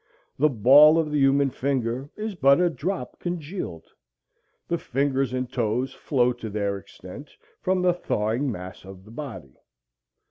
The ball of the human finger is but a drop congealed. The fingers and toes flow to their extent from the thawing mass of the body.